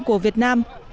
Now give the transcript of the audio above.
của việt nam